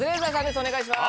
お願いします。